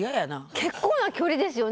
結構な距離ですよね。